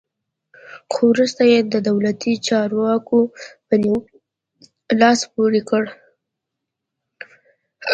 خو وروسته یې د دولتي چارواکو په نیولو لاس پورې کړ.